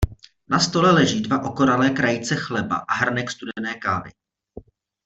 Na stole leží dva okoralé krajíce chleba a hrnek studené kávy.